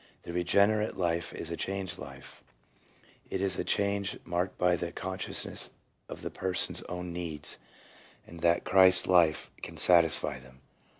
1 "The regenerate life is a changed life; ... it is a change marked by the consciousness of the person's own needs, and that the Christ life can satisfy them."